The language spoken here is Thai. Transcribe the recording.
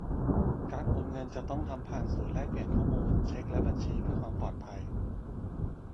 การโอนเงินจะต้องทำผ่านศูนย์แลกเปลี่ยนข้อมูลเช็กและบัญชีเพื่อความปลอดภัย